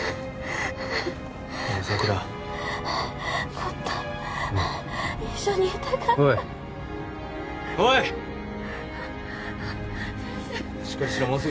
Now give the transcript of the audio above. もっと一緒にいたかったおいおいっ先生